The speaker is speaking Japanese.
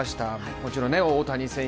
もちろん大谷選手